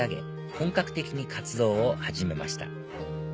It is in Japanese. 本格的に活動を始めました